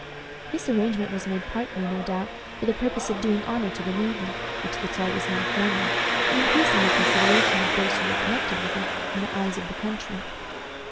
This arrangement was made partly, no doubt, for the purpose of doing honor to the navy, which the Czar was now forming, and increasing the consideration of those who were connected with it in the eyes of the country.